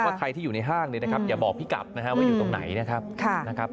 ใครที่อยู่ในห้างเนี่ยนะครับอย่าบอกพี่กัดนะครับว่าอยู่ตรงไหนนะครับ